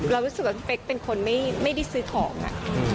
เรารู้สึกว่าเฟคเป็นคนไม่ได้ซื้อของอ่ะ